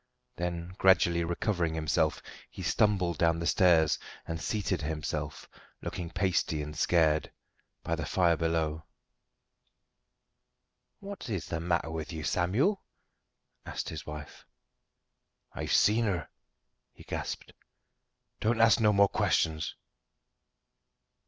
Then, gradually recovering himself, he stumbled down the stairs, and seated himself, looking pasty and scared, by the fire below. "What is the matter with you, Samuel?" asked his wife. "I've seen her," he gasped. "Don't ask no more questions."